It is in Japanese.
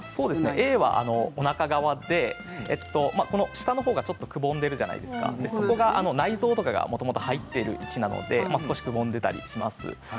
Ａは、おなか側で下のほうがくぼんでいますんでそこが内臓とかがもともと入っている位置なので少しくぼんでいたりします。